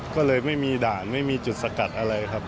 ก็เลยไม่มีด่านไม่มีจุดสกัดอะไรครับ